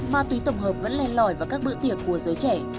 ma túy tổng hợp vẫn len lỏi vào các bữa tiệc của giới trẻ